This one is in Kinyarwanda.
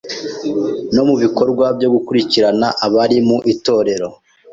no mu bikorwa byo gukurikirana abari mu Itorero.